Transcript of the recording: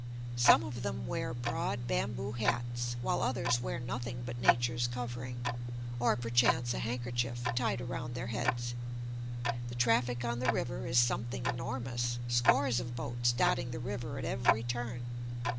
Some of them wear broad bamboo hats, while others wear nothing but nature's covering, or perchance a handkerchief tied around their heads. The traffic on the river is something enormous, scores of boats dotting the river at every turn.